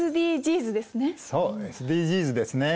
そうＳＤＧｓですね。